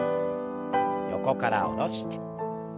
横から下ろして。